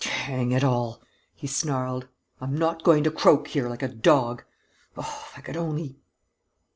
"Hang it all!" he snarled. "I'm not going to croak here, like a dog! Oh, if I could only...."